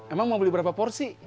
emang mau beli berapa porsi